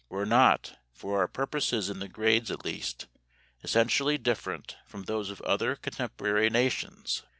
were not, for our purposes in the grades at least, essentially different from those of other contemporary nations.